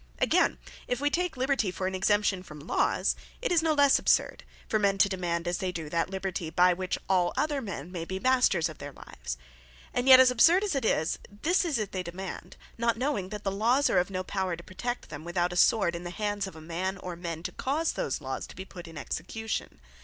Againe, if we take Liberty, for an exemption from Lawes, it is no lesse absurd, for men to demand as they doe, that Liberty, by which all other men may be masters of their lives. And yet as absurd as it is, this is it they demand; not knowing that the Lawes are of no power to protect them, without a Sword in the hands of a man, or men, to cause those laws to be put in execution.